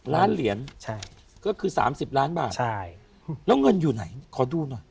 ล้านเหรียญใช่ก็คือ๓๐ล้านบาทใช่แล้วเงินอยู่ไหนขอดูหน่อย